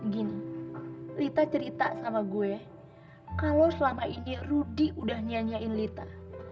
gini lita cerita sama gue kalau selama ini rudy udah nyanyiin lita